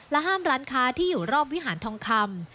ห้ามร้านค้าที่อยู่รอบวิหารทองคำ